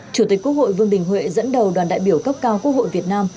chủ tịch quốc hội vương đình huệ dẫn đầu đoàn đại biểu cấp cao quốc hội việt nam